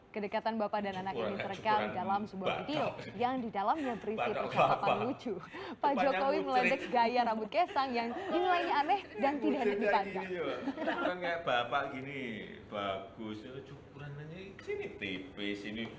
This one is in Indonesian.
kedekatan bapak dan anaknya diterkan dalam sebuah video yang didalamnya berisi persatuan lucu